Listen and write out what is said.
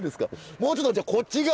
もうちょっとこっち側。